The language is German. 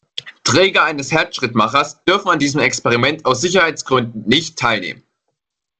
Träger eines Herzschrittmachers dürfen an diesem Experiment aus Sicherheitsgründen nicht teilnehmen.